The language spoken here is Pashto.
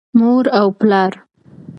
مور او پلار